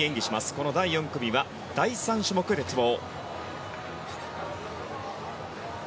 この第４組は第３種目が鉄棒。